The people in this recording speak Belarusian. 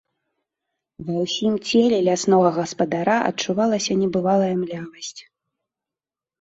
Ва ўсім целе ляснога гаспадара адчувалася небывалая млявасць.